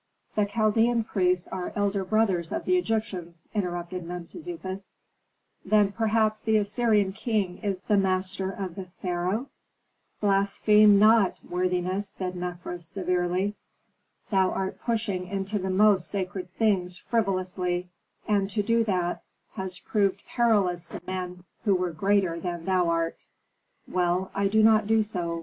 "The Chaldean priests are elder brothers of the Egyptians," interrupted Mentezufis. "Then perhaps the Assyrian king is the master of the pharaoh?" "Blaspheme not, worthiness," said Mefres, severely. "Thou art pushing into the most sacred things frivolously, and to do that has proved perilous to men who were greater than thou art." "Well, I will not do so.